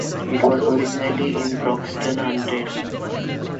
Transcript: It was originally in Broxton Hundred.